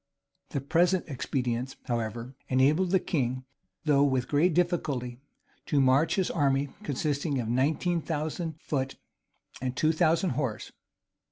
The present expedients, however, enabled the king, though with great difficulty, to march his army, consisting of nineteen thousand foot and two thousand horse.